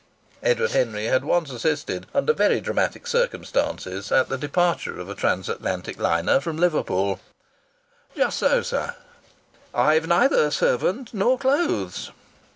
Edward Henry had once assisted, under very dramatic circumstances, at the departure of a Transatlantic liner from Liverpool. "Just so, sir!" "I've neither servant nor clothes!"